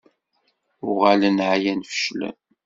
Uɣalen ɛyan, feclen.